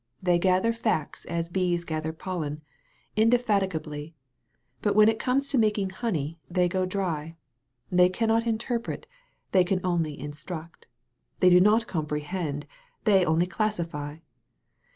They gather facts as bees gather pollen, indefatigably. But when it comes to making honey they go dry. They cannot interpret, they can only instruct. They do not comprehend, they only classify.